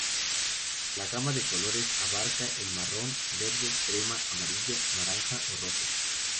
La gama de colores abarca el marrón, verde, crema, amarillo, naranja o rojo.